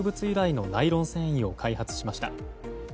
由来のナイロン繊維を開発しました。